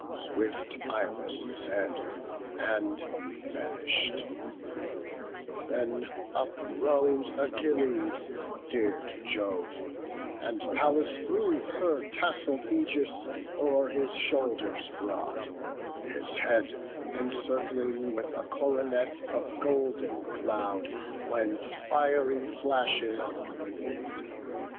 Swift Iris said, and vanish'd; then uprose Achilles, dear to Jove; and Pallas threw Her tassell'd aegis o'er his shoulders broad; His head encircling with a coronet Of golden cloud, whence fiery flashes gleam'd.